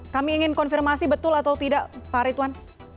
kami ingin konfirmasi betul atau tidak pak ritwan